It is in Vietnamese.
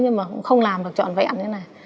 nhưng mà không làm được trọn vẹn